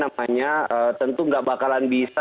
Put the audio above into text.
karena banyak yang dikumpulkan banyak yang dikumpulkan